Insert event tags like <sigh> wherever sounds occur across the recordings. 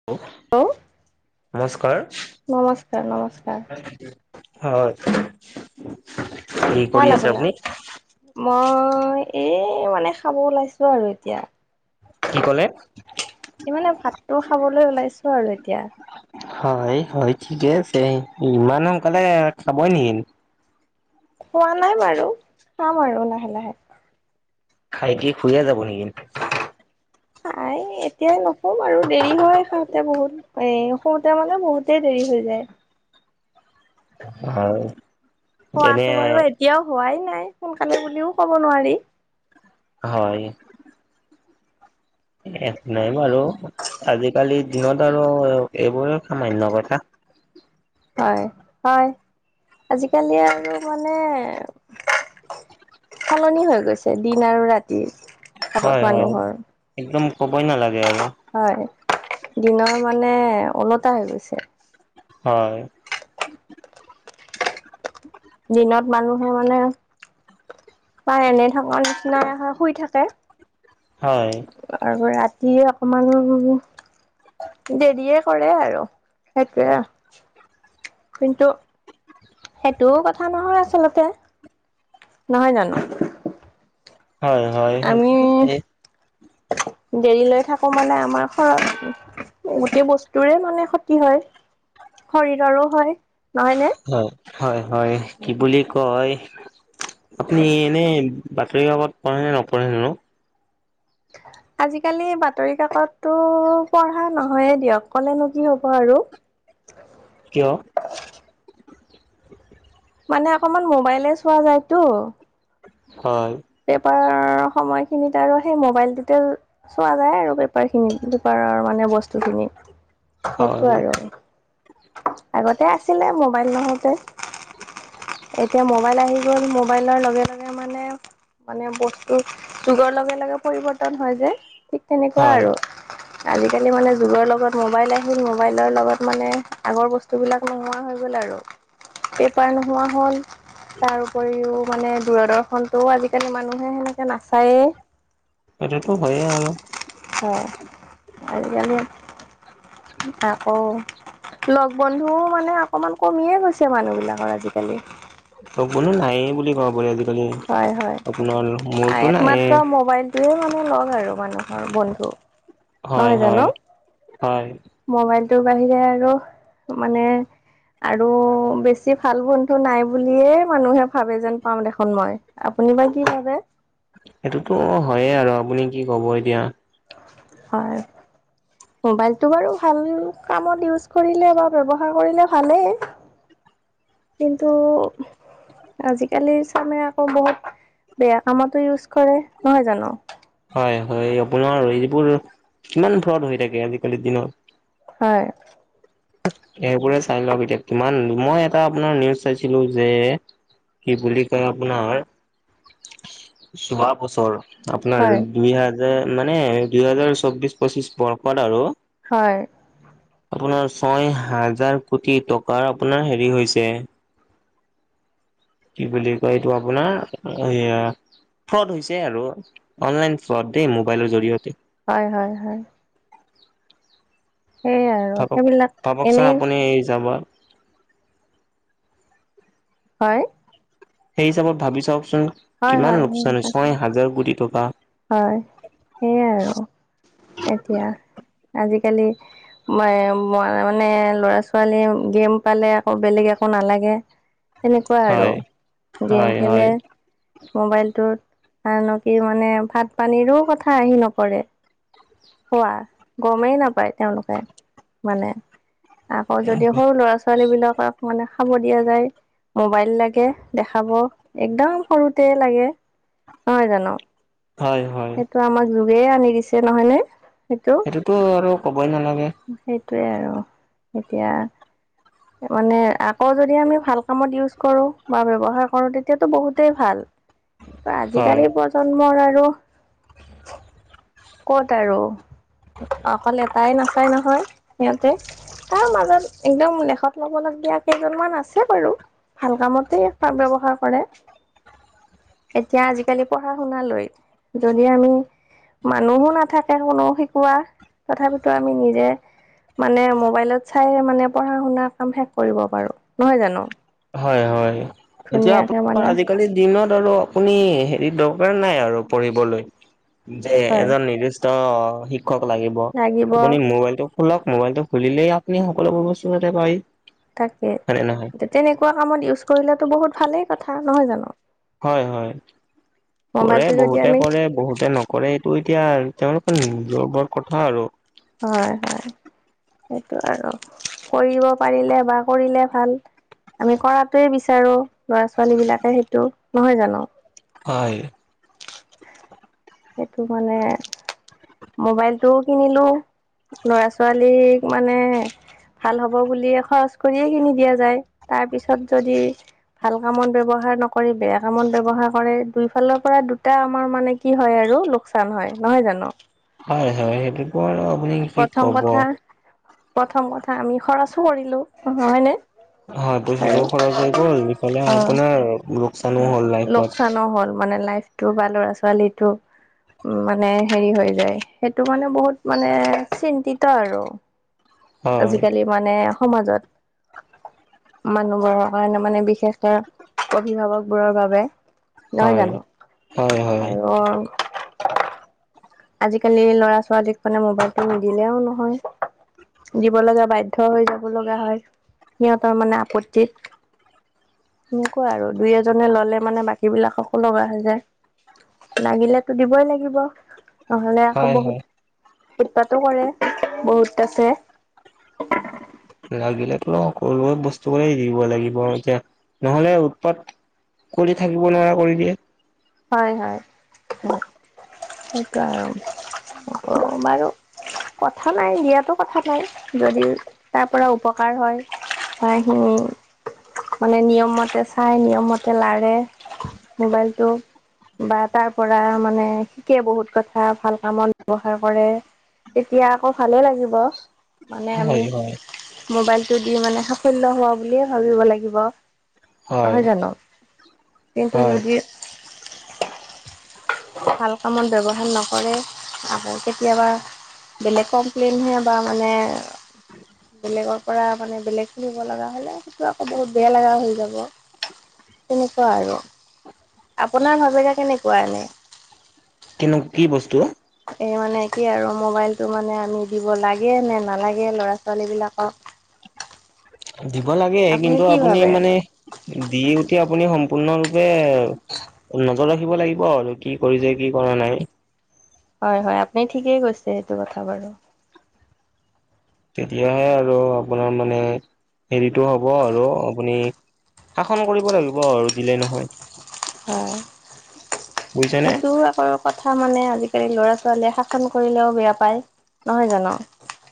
Hello, নমস্কাৰ। হয়। কি কৰি ভাল আছে আপোনাৰ। আপুনি মই এই মানে খাব ওলাইছো আৰু এতিয়া। কি ক'লে? সেই মানে ভাতটো খাবলৈ ওলাইছো আৰু এতিয়া। হয়, হয় ঠিকে আছে ইমান সোনকালে খাবই নেকি? খোৱা নাই বাৰু খাম আৰু লাহে লাহে। খাই কি শুয়ে যাব নেকি? নাই এতিয়াই নুশুও আৰু দেৰি হয় খাওঁতে বহুত। এই শুওতে মানে বহুতেই দেৰি হৈ যায়। হয়। এনে হোৱাতো বাৰু এতিয়াও হোৱাই নাই সোনকালে বুলিও কব নোৱাৰি। হয়। নাই বাৰু আজিকালি দিনত আৰু এইবোৰে সামান্য কথা। হয়-হয় আজিকালি আৰু মানে সলনি হৈ গৈছে দিন আৰু ৰাতি। আগত হয়-হয় মানুহৰ একদম ক'বই নালাগে আৰু। হয় দিনৰ মানে ওলোটা হৈ গৈছে। হয়। দিনত মানুহে মানে প্ৰায় এনে থকাৰ নিচিনাই হয় শুই থাকে। হয়। আৰু ৰাতিয়ে অকমান দেৰিয়ে কৰে আৰু সেইটোৱে। কিন্তু সেইটোও কথা নহয় আচলতে। নহয় জানো? হয় হয় আমি সেই দেৰি লৈ থাকো মানে আমাৰ খৰচ গোটেই বস্তুৰে মানে ক্ষতি হয় শৰীৰৰো হয় নহয় নে? হয়-হয়-হয় কি বুলি কয় আপুনি এনে বাতৰি কাকত পঢ়ে নে নপঢ়ে ন'? <inaudible> আজিকালি বাতৰি কাকততো পঢ়া নহয়েই দিয়ক ক'লেনো কি হ'ব আৰু। কিয়? মানে অকমান মোবাইলে চোৱা যায়তো। হয়। পেপাৰ সময়খিনিত আৰু সেই মোবাইলটোতে চোৱা যায় আৰু পেপাৰ খিনি পেপাৰৰ মানে বস্তু খিনি। সেইটো হয় আৰু আগতে আছিলে মোবাইল নহওঁতে। এতিয়া মোবাইল আহি গ'ল মোবাইলৰ লগে- লগে এ মানে মানে বস্তু যুগৰ লগে -লগে পৰিৱৰ্তন হয় যে ঠিক তেনেকুৱা হয় আৰু। আজিকালি মানে যুগৰ লগত মোবাইল আহিল মোবাইলৰ লগত মানে আগৰ বচ সেইবিলাক নোহোৱা হৈ গ'ল আৰু। পেপাৰ নোহোৱা হ'ল তাৰ উপৰিও মানে দূৰদৰ্শনটোও আজি আজিকালি মানুহে সেনেকে নাচায়ে সেইটোতো হয়ে আৰু। হয় আজিকালি আকৌ লগ বন্ধুও মানে অকমান কমিয়ে গৈছে মানুহ বিলাকৰ আজিকালি। লগ - বন্ধু নায়েই বুলি কব পাৰি আজিকালি হয় হয় আপোনাৰ মোৰটো নায়ে। তোয়ে মানে লগ আৰু মানুহৰ বন্ধু। নহয় জানো হয়-হয়-হয়। মোবাইলটোৰ বাহিৰে আৰু মানে আৰু বেছি ভাল বন্ধু নাই বুলিয়ে মানুহে ভাবে যেন পাম দেখোন মই। আপুনি বা কি ভাবে। সেইটোতো অ, হয়ে আৰু আপুনি কি ক'ব এতিয়া? হয়। মোবাইলটো বাৰু ভাল কামত ইউজ কৰিলে বা ব্যৱহাৰ কৰিলে ভালেই। কিন্তু আজিকালি চামে আকৌ বহুত বেয়া কামতো ইউজ কৰে নহয় জানো? হয়-হয় আপোনাৰ এইবোৰ কিমান ফ্ৰড হৈ থাকে আজিকালিৰ দিনত। হয়। এবোৰে চাই লওক এতিয়া কিমান মই এটা আপোনাৰ নিউজ চাইছিলোঁ যে কি বুলি কয় আপোনাৰ যোৱা বছৰ আপোনাৰ হয়, দুই হাজাৰ মানে দুই হাজাৰ চৌবিশ, পঁচিশ বৰ্ষত আৰু। হয়। আপোনাৰ ছয় হাজাৰ কোটি টকাৰ আপোনাৰ হেৰি হৈছে। কি বুলি কয় এইটো আপোনাৰ এইয়া। ফ্ৰড হৈছে আৰু অনলাইন ফ্ৰড দেই মোবাইলৰ জৰিয়তে। হয়-হয়-হয়। সেইয়াই আৰু ভাবক সেইবিলাক ভাবকচোন এনেই আপুনি যাব। হয়। সেই হিচাপত ভাবি চাওকচোন হয়, কিমান হয়, হয়, লোকচান হয়, ছয় হাজাৰ কোটি টকা। হয় সেয়াই আৰু এতিয়া আজিকালি। মানে ল'ৰা-ছোৱালীয়ে গেম পালে আকৌ বেলেগ একো নালাগে। তেনেকুৱা আৰু হয় গেম হয় খেলে। হয় মোবাইলটোত আনকি মানে ভাত, পানীৰো কথাৰো আহি নপৰে। হোৱা গমেই নাপায় তেওঁলোকে মানে। আকৌ যদি সৰু ল'ৰা-ছোৱালী বিলাকক মানে খাব দিয়া যায় মোবাইল লাগে দেখাব একদম সৰুতে লাগে নহয় জানো। হয়। হয় এইেটো আমাক যুগে আনি দিছে নহয় নে সেইটো। সেইটোতো আৰু ক'বই নালাগে। সেইটোৱে আৰু এতিয়া। মানে আকৌ যদি আমি ভাল কামত ইউজ কৰো বা ব্যৱহাৰ কৰো তেতিয়াতো বহুতেই ভাল। হয় আজিকালি প্ৰজন্মৰ আৰু ক'ত আৰু অকল এটাই নাচায় নহয় সিহঁতে। তাৰ মাজত একদম লেখত লব লগীয়া কেইজনমান আছে বাৰু। ভাল কামতে তাক ব্যৱহাৰ কৰে। এতিয়া আজিকালি পঢ়া-শুনালৈ যদি আমি। মানুহো নাথাকে কোনো শিকোৱা তথাপিতো আমি নিজে। মানে মোবাইলত চাই মানে পঢ়া-শুনাৰ কাম শেষ কৰিব পাৰো নহয় জানো। হয়, হয় এতিয়া ধুনীয়াকে আপোনাৰ মানে আজিকালি। দিনত আৰু আপুনি হেৰি দৰকাৰ নাই আৰু পঢ়িবলৈ যে হয় এজন নিৰ্দিষ্ট। অ' শিক্ষক লাগিব লাগিব আপুনি মোবাইলটোক। খোলক মোবাইলটো খুলিলেই আপুনি সকলোবোৰ বস্তু তাতে পায়। তাকে হয়নে নহয়? তেনেকোৱা কামত ইউজ কৰিলে বহুত ভালেই কথা নহয় জানো। হয়, হয় কৰে মোবাইলটো যদি বহুতে আমি কৰে বহুতে নকৰে। কৰে এইটো এতিয়া তেওঁলোকৰ নিজৰ ওপৰত কথা আৰু হয়, হয় সেইটো আৰু কৰিব পাৰিলে বা কৰিলে ভাল। আমি কৰাটোৱে বিচাৰো ল'ৰা-ছোৱালী বিলাকে সেইটো নহয় জানো। হয়। সেইটো মানে মোবাইলটোও কিনিলো। লৰা-ছোৱালীক মানে ভাল হ'ব বুলিয়ে খৰচ কৰিয়ে কিনি দিয়া যায় তাৰ পিছত যদি। ভাল কামত ব্যৱহাৰ নকৰি বেয়া কামত ব্যৱহাৰ কৰে দুই ফালৰ পৰা দুটা আমাৰ মানে কি। কি হয় আৰু লোকচান হয় নহয় জানো। হয়, হয় সেইটোকো আৰু আপুনি। কি প্ৰথম ক'ব। কথা প্ৰথম কথা আমি খৰচো কৰিলো নহয় নে? হয়, পইচাটোও খৰচ হৈ গ'ল ইফালে অ আপোনাৰ লোকচানো হ'ল লাইফত। নহ'ল মানে লাইফ। টো বা ল'ৰা-ছোৱালীটো মানে হেৰি হৈ যায় সেইটো মানে বহুত মানে চিন্তিত আৰু হয় আজিকালি মানে সমাজত মানুহবোৰৰ কাৰণে মানে বিশেষ। সিহঁতৰ অভিভাৱকবোৰৰ বাবে নহয় হয় জানো হয় হয় আৰু। আজিকালি ল'ৰা-ছোৱালীক মানে মোবাইলটো নিদিলেও নহয়। দিব লগা বাধ্যয় হৈ যাব লগা হয় সিহঁতৰ মানে আপত্তিত। এনেকুৱা আৰু দুই এজনে ল'লে মানে বাকী বিলাককো লগা হৈ যায়। লাগিলেতো দিবই লাগিব। নহ'লে আকৌ হয় হয়। বহুত উৎপাতো কৰে বহুত আছে। লাগিলেতো সৰু বস্তু কৰি দিব লাগিব এতিয়া নহ'লে উৎপাত। কৰি থাকিব নোৱাৰা কৰি দিয়ে। হয়, হয় সেইটো আৰু বাৰু। কথা নাই দিয়াতো কথা নাই যদি তাৰ পৰা উপকাৰ হয়। হয়। মানে নিয়মতে চাই নিয়মতে লাৰে মোবাইলটো। বা তাৰ পৰা মানে শিকে বহুত কথা ভাল কামত ব্যৱহাৰ কৰে। তেতিয়া আকৌ ভালে লাগিব। মানে আমি হয় হয় মোবাইলটো দি মানে সাফল্য হোৱা বুলিয়ে ভাবিব লাগিব। হয় নহয় জানো কিন্তু হয়। যদি ভাল কামত ব্যৱহাৰ নকৰে আকৌ কেতিয়াবা। বেলেগ কমপ্লেইনহে বা মানে। বেলেগৰ পৰা মানে বেলেগ শুনিব লগা হ'লে সেইটো আকৌ বহুত বেয়া লগা হৈ যাব। তেনেকুৱা আৰু আপোনাৰ ভাবেৰে কেনেকুৱা এনে। কিনো কি বস্তু? এই মানে কি আৰু মোবাইলটো মানে আমি দিব লাগে নে নালাগে ল'ৰা-ছোৱালী বিলাকক। দিব লাগে কিন্তু কি আপুনি ভাবে? মানে দি উঠি আপুনি সম্পূৰ্ণ পূৰ্ণৰূপে নজৰ ৰাখিব লাগিব আৰু কি কৰিছে কি কৰা নাই। হয়, হয় আপুনি ঠিকেই কৈছে সেইটো কথা বাৰু তেতিয়াহে আৰু আপোনাৰ মানে হেৰিটো হ'ব আৰু আপুনি। শাসন কৰিব লাগিব আৰু দিলেই নহয়। অ' বুজিছেনে সেইটো আকৌ কথা মানে আজিকালি ল'ৰা-ছোৱালীয়ে শাসন কৰিলেও বেয়া পায় নহয় জানো।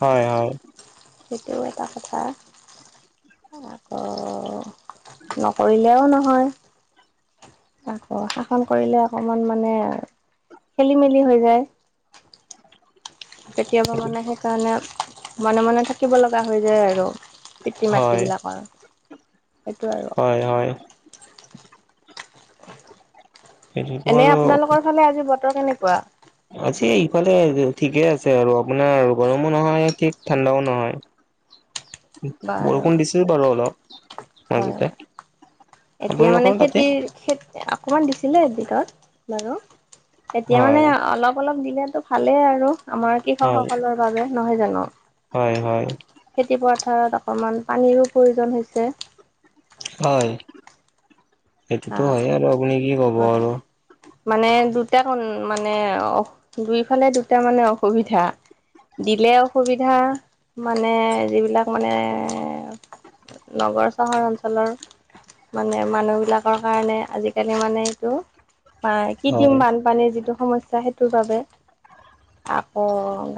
হয়-হয়। সেইটোও এটা কথা। আকৌ নকৰিলেও নহয়। আকৌ শাসন কৰিলে অকমান মানে খেলি- মেলি হৈ যায়। কেতিয়াবা মানে সেইকাৰণে মনে মনে থাকিব লগা হৈ যায় আৰু। পিতৃৰ, মাতৃ হয় বিলাকৰ সেইটো আৰু হয়-হয়। সেইটোতো এনে আৰু আপোনালোকৰ ফালে আজি বতৰ কেনেকুৱা? আছে ইফালে ঠিকে আছে আৰু আপোনাৰ গৰমো নহয় ঠিক ঠাণ্ডাও নহয়। <unintelligible> বাৰু বৰষুণ দিছিল বাৰু অলপ। হয়, মাজতে এতিয়া মানে আপোনালোকৰ তাতে খেতিৰ খেতি অকণমান দিছিলে এদিনত বাৰু এতিয়া মানে হয় অলপ অলপ দিলেতো। ভালেই আৰু আমাৰ কৃষকসকলৰ বাবে নহয় জানো? হয়-হয়। খেতি পথাৰত অকণমান পানীৰো প্ৰয়োজন হৈছে। হয়, সেইটোতো হয় আৰু আপুনি কি ক'ব আৰু মানে দুটা কণ মানে দুইফালে দুটা মানে অসুবিধা। দিলে অসুবিধা মানে যিবিলাক মানে নগৰ - চহৰ অঞ্চলৰ মানে মানুহবিলাক তাৰ কাৰণে আজিকালি মানে এইটো বা হয় কৃত্ৰিম বান পানীৰ যিটো সমস্যা সেইটোৰ বাবে আকৌ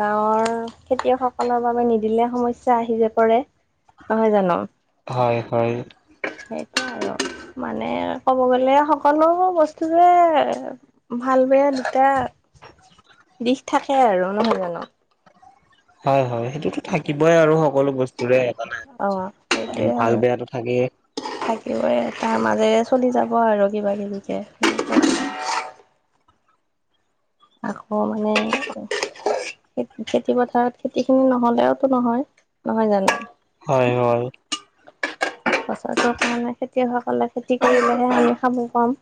গাঁৱৰ খেতিয়কসকলৰ বাবে নিদিলে সমস্যা আহি যে পৰে। নহয় জানো? হয় হয়। সেইটোৱে আৰু মানে ক'ব গ'লে সকলোবোৰ বস্তুয়ে ভাল বেয়া দুটা দিশ থাকে আৰু নহয় জানো? হয় হয় সেইটোতো থাকিবৈ আৰু সকলো বস বস্তুৰে এটা অ নহয়, ভাল বেয়াটো থাকে। থাকিবৈয়ে তাৰ মাজেৰে চলি যাব আৰু কিবা কিবিকে। আকৌ মানে খে খেতি পথাৰত খেতিখিনি নহ'লেও টো নহয়। নহয় জানো? হয় হয়। বছৰটোৰ কাৰণে খেতিয়কসকলে খেতি কৰিলেহে আমি খাব পাম।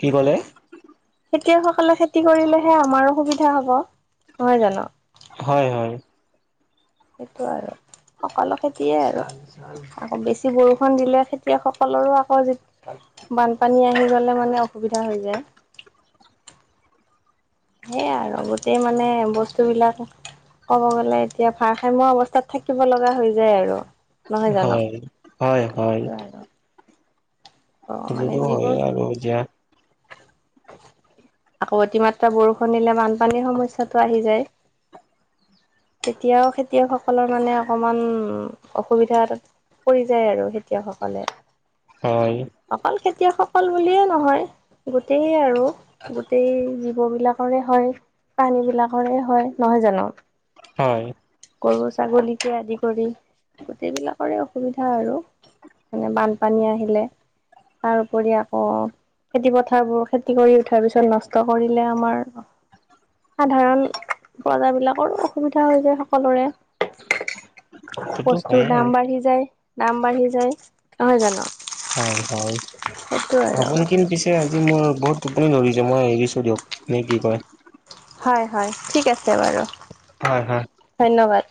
কি ক'লে? খেতিয়ক সকলে খেতি কৰিলেহে আমাৰো সুবিধা হ'ব। নহয় জানো? হয় হয়। সেইটো আৰু সকলোকে দিয়ে আৰু। আকৌ বেছি বৰষুণ দিলে খেতিয়ক সকলৰো আকৌ বানপানী আহি গ'লে মানে অসুবিধা হৈ যায়। সেয়াই আৰু গোটেই মানে বস্তুবিলাক ক'ব গ'লে এতিয়া ভাৰসাম্য অৱস্থাত থাকিব লগা হৈ যায় আৰু। নহয় জানো? হয় হয় হয়। সেইটোৱে আৰু অ মানে সেইটোতো হয়ে যিবোৰ আৰু এতিয়া আকৌ অতিমাত্ৰা বৰষুণ দিলে বানপানীৰ সমস্যাটো আহি যায়। তেতিয়াও খেতিয়কসকলৰ মানে অকমান অসুবিধা এটা পৰি যায় আৰু খেতিয়কসকলে। হয়। অকল খেতিয়কসকল বুলিয়ে নহয়। গোটেই আৰু গোটেই জীৱ বিলাকৰে হয়। প্ৰাণী বিলাকৰে হয়, নহয় জানো? হয়। গৰু, ছাগলীকে আদি কৰি গোটেই বিলাকৰে অসুবিধা আৰু। মানে বানপানী আহিলে। তাৰ উপৰি আকৌ খেতি পথাৰবোৰ খেতি কৰি উঠাৰ পিছত নষ্ট কৰিলে আমাৰ সাধাৰণ বজাৰ বিলাকৰো অসুবিধা হৈ যায় সকলোৰে, সেইটোতো বস্তুৰ হয়ে আৰু দাম বাঢ়ি যায়। দাম বাঢ়ি যায়। নহয় জানো হয় হয়, সেইটো আৰু আপুনি কিন পিছে আজি মোৰ বহুত টোপনি ধৰিছে, মই এৰিছো দিয়ক, নে কি কয়? হয় হয় ঠিক আছে বাৰু। হয় হয়। ধন্যবাদ।